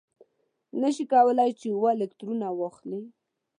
نه شي کولای چې اوه الکترونه واخلي.